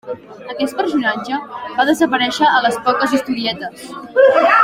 Aquest personatge va desaparèixer a les poques historietes.